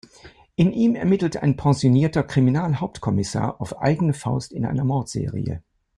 In ihm ermittelt ein pensionierter Kriminalhauptkommissar auf eigene Faust in einer Mordserie.